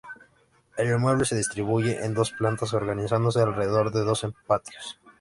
El inmueble se distribuye en dos plantas, organizándose alrededor de sendos patios.